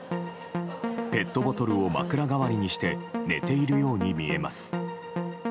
ペットボトルを枕代わりにして寝ているように見えます。